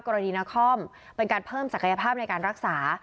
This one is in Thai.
กรณีนาคอมเป็นการเพิ่มศักยภาพในการรักษา